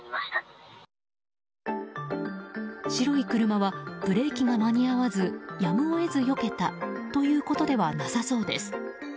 白い車はブレーキが間に合わずやむを得ずよけたということではなさそうです。